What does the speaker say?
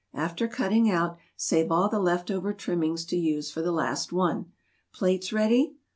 After cutting out, save all the left over trimmings to use for the last one. Plates ready?"